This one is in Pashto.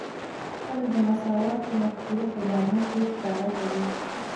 خلک د مساوات مفکوره په جامو کې ښکاره کوي.